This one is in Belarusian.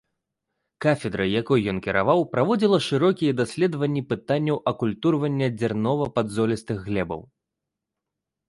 Кафедра, якой ён кіраваў, праводзіла шырокія даследаванні пытанняў акультурвання дзярнова-падзолістых глебаў.